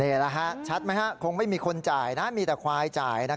ชัดไหมฮะคงไม่มีคนจ่ายนะมีแต่ควายจ่าย